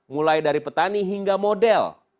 mulai dari petani hingga model